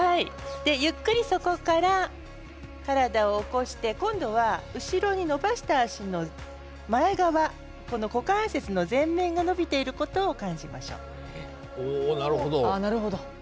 ゆっくり、そこから体を起こして今度は後ろに伸ばした足の前側股関節の前面が伸びていることを感じましょう。